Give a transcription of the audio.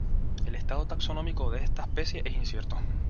El estado taxonómico de esta especie es incierto.